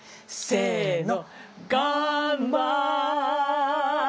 せの！